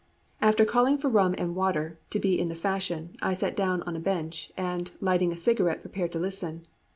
After calling for rum and water, to be in the fashion, I sat down on a bench, and, lighting a cigarette, prepared to listen.